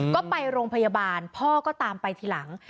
ก็ไปโรงพยาบาลพ่อก็ตามไปทีหลัง